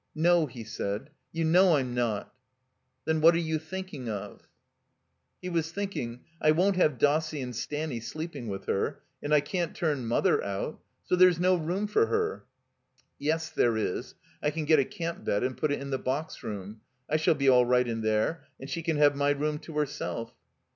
''No," he said. "You know Tm not.' *'Then, what are you thinking of?" He was thinking: ''I won't have Dossie and Stanny sleeping with her. And I can't turn Mother out. So there's no room for her. Yes, there is. I can get a camp bed and put it in the box room. I shall be all right in there, and she can have my room to herself."